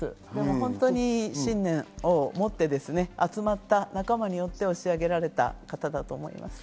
本当に信念を持って集まった仲間によって押し上げられた方だと思います。